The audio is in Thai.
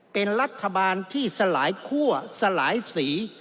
เป็นรัฐบาลที่สลายคั่วสลายสี